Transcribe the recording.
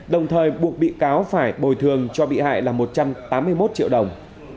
đồng thời buộc bị cáo phải bồi thường cho bị hại là một trăm tám mươi một triệu đồng